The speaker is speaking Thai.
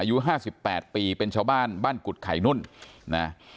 อายุ๕๘ปีเป็นชาวบ้านบ้านกุฎไข่นุ่นนะ